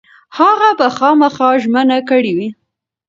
هغه به خامخا ژمنه کړې وي.